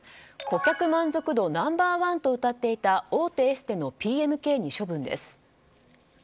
顧客満足度ナンバー１とうたっていた大手エステのＰＭＫに処分です。